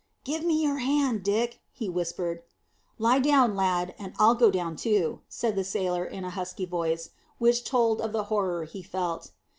"Give me your hand, Dick," he whispered. "Lie down, my lad, and I'll go down too," said the sailor in a husky voice, which told of the horror he felt.